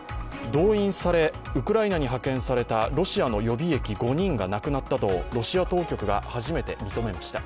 動員され、ウクライナに派遣されたロシアの予備役５人が亡くなったとロシア当局が初めて認めました。